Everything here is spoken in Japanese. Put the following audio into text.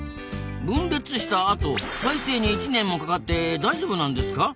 分裂したあと再生に１年もかかって大丈夫なんですか？